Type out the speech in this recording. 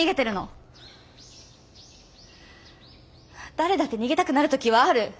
誰だって逃げたくなる時はある。